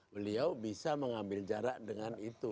beliau bisa mengambil jarak dengan itu